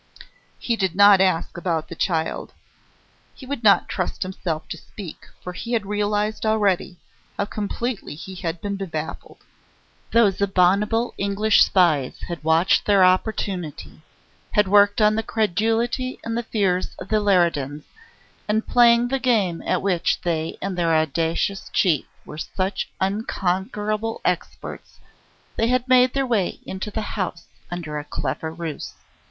He did not ask about the child. He would not trust himself to speak, for he had realised already how completely he had been baffled. Those abominable English spies had watched their opportunity, had worked on the credulity and the fears of the Leridans and, playing the game at which they and their audacious chief were such unconquerable experts, they had made their way into the house under a clever ruse.